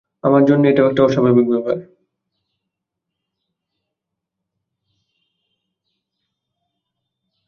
আমার জন্যে এটাও একটা অস্বাভাবিক ব্যাপার।